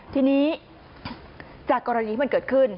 ทีนี้จากกรณีที่มันเกิดขึ้น